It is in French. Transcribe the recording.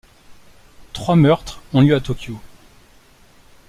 Trois meurtres ont lieu à Tokyo.